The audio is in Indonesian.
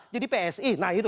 jadi psi nah itu